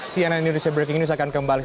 cnn indonesia breaking news akan kembali